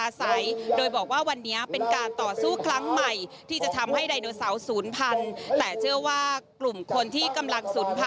ไม่ได้เป็นการเรียกร้อง